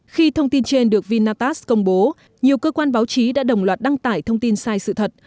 khi thông tin trên được vinatast công bố nhiều cơ quan báo chí đã đồng loạt đăng tải thông tin sai sự thật